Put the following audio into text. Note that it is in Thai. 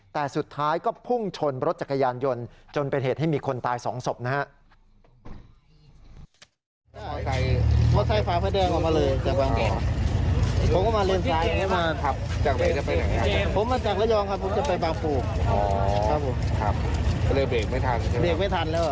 แต่สุดท้ายก็พุ่งชนรถจักรยานยนต์จนเป็นเหตุให้มีคนตาย๒ศพนะครับ